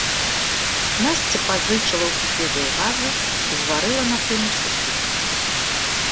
Насця пазычыла ў суседзяў газы і зварыла на прымусе суп.